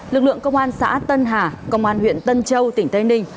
lực lượng công an xã tân hà công an huyện tân châu tỉnh tây ninh